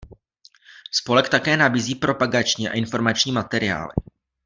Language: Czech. Spolek také nabízí propagační a informační materiály.